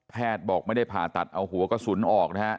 บอกไม่ได้ผ่าตัดเอาหัวกระสุนออกนะฮะ